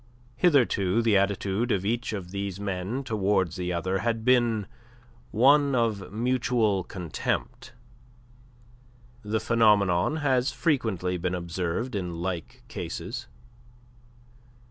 Hitherto the attitude of each of these men towards the other had been one of mutual contempt. The phenomenon has frequently been observed in like cases.